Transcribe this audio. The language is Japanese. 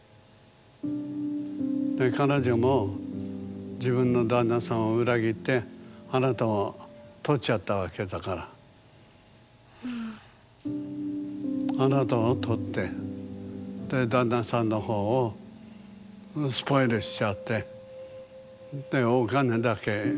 で彼女も自分の旦那さんを裏切ってあなたを取っちゃったわけだからあなたを取ってで旦那さんの方をスポイルしちゃってでお金だけ拝借してるっていうわけでしょ。